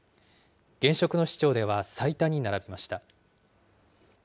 現職の市長では最多に並びました。